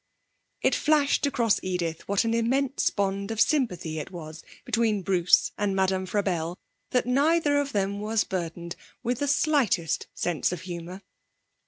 It flashed across Edith what an immense bond of sympathy it was between Bruce and Madame Frabelle that neither of them was burdened with the slightest sense of humour.